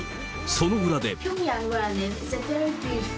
その裏で。